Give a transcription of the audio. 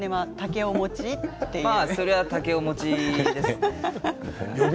それは竹雄持ちですよね。